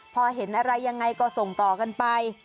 พอเห็นอะไรยังไงก็ส่งต่อกันไป